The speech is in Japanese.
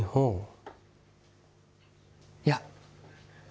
いや。